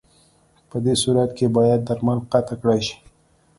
پدې صورت کې باید درمل قطع کړای شي.